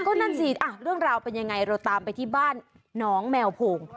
ก็นั่นสิเรื่องราวเป็นยังไงเราตามไปที่บ้านน้องแมวผง